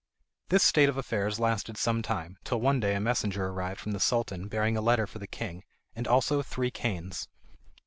This state of affairs lasted some time, till one day a messenger arrived from the Sultan bearing a letter for the king, and also three canes.